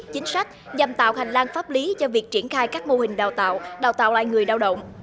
chính sách nhằm tạo hành lang pháp lý cho việc triển khai các mô hình đào tạo đào tạo lại người lao động